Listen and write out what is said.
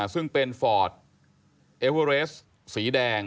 ซึ่งเป็นฟอร์ตเอเวอร์เรสสีแดง